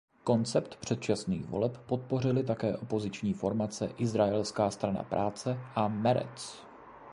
Koncept předčasných voleb podpořily také opoziční formace Izraelská strana práce a Merec.